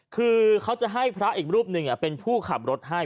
คือเขาจะให้พระอีกรูปหนึ่งเป็นผู้ขับรถให้